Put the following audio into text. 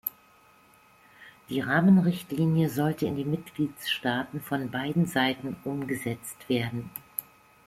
Die Rahmenrichtlinie sollte in den Mitgliedstaaten von beiden Seiten umgesetzt werden.